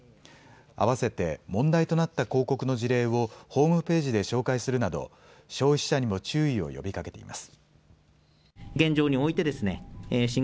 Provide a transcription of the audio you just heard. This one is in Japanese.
あわせて、問題となった広告の事例をホームページで紹介するなど消費者にも注意を呼びかけています。